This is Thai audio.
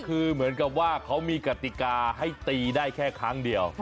คือเหมือนกับว่าเขามีกติกาให้ตีได้แค่ครั้งเดียว